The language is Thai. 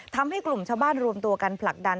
ทำให้กลุ่มชาวบ้านรวมตัวกันผลักดัน